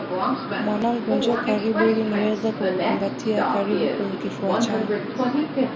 Mwanangu njoo karibu ili niweze kukukumbatia karibu kwenye kifua changu